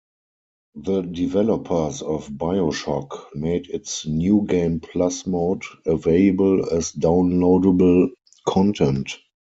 The developers of "BioShock" made its New Game Plus mode available as downloadable content.